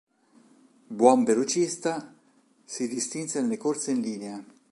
Buon velocista, si distinse nelle corse in linea.